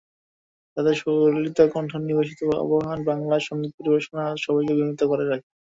তাদের সুললিত কণ্ঠ নিঃসৃত আবহমান বাংলার সংগীত পরিবেশনা সবাইকে মোহিত করে রাখে।